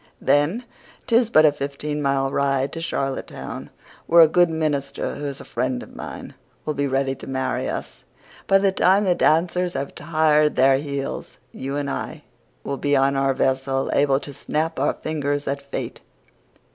Then 'tis but a fifteen mile ride to Charlottetown, where a good minister, who is a friend of mine, will be ready to marry us. By the time the dancers have tired their heels you and I will be on our vessel, able to snap our fingers at fate.